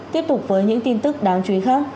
tiếp tục với những tin tức đáng chú ý khác